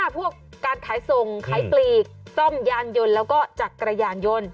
พวกการขายส่งขายปลีกซ่อมยานยนต์แล้วก็จักรยานยนต์